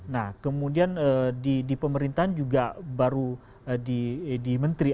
nah kemudian di pemerintahan juga baru di menteri